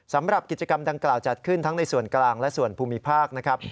สำหรับกิจกรรมดังกล่าวจัดขึ้นทั้งในส่วนกลางและส่วนภูมิภาคนะครับ